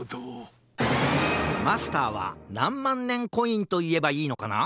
マスターはなんまんねんコインといえばいいのかな？